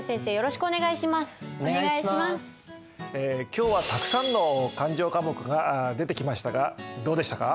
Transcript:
今日はたくさんの勘定科目が出てきましたがどうでしたか？